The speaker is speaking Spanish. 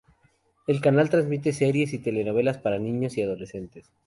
El canal transmite series y telenovelas para niños y adolescentes.